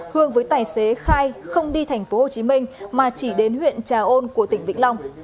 hương với tài xế khai không đi tp hcm mà chỉ đến huyện trà ôn của tỉnh vĩnh long